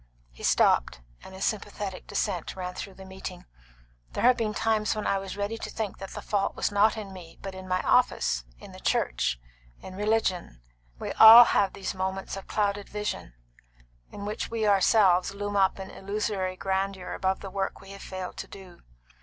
He stopped, and a sympathetic dissent ran through the meeting. "There have been times when I was ready to think that the fault was not in me, but in my office, in the church, in religion. We all have these moments of clouded vision, in which we ourselves loom up in illusory grandeur above the work we have failed to do.